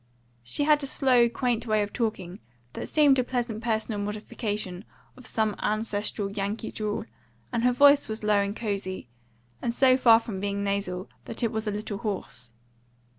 She had a slow, quaint way of talking, that seemed a pleasant personal modification of some ancestral Yankee drawl, and her voice was low and cozy, and so far from being nasal that it was a little hoarse.